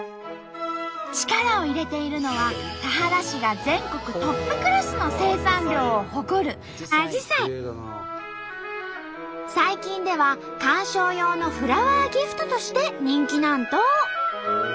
力を入れているのは田原市が全国トップクラスの生産量を誇る最近では観賞用のフラワーギフトとして人気なんと！